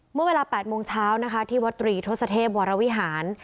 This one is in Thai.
เมื่อเวลา๘โมงเช้านะคะที่วัตรีทศเทพวรวิหาร